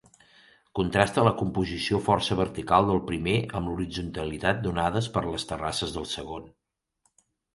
Contrasta la composició força vertical del primer amb l'horitzontalitat donades per les terrasses del segon.